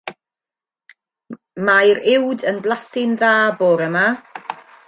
Mae'r uwd yn blasu'n dda bore 'ma.